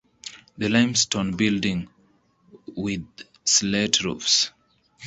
The limestone building with slate roofs.